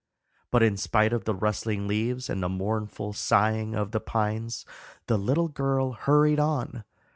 But in spite of the rustling leaves and the mournful sighing of the pines the little girl hurried on.